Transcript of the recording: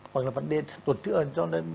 hoặc là vấn đề tổn thương cho